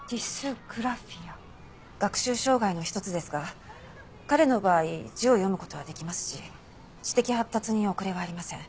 学習障害の一つですが彼の場合字を読む事はできますし知的発達に遅れはありません。